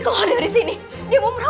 pak tata serventating friend